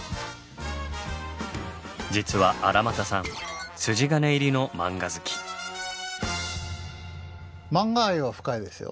実は荒俣さんマンガ愛は深いですよ。